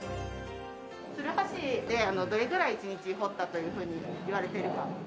ツルハシでどれぐらい１日に掘ったというふうにいわれているか。